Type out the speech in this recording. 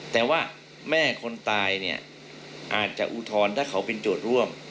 แต่ว่าแม่คนตายเนี่ยอาจจะอุทธรณ์ถ้าเขาเป็นโจทย์ร่วม